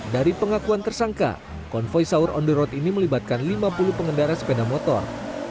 dari pengakuan tersangka konvoy sahur on the road ini melibatkan lima puluh pengendara sepeda motor